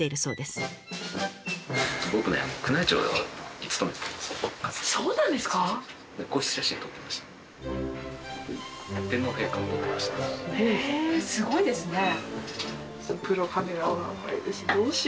すごいですね。